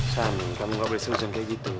san kamu gak boleh seru jangan kayak gitu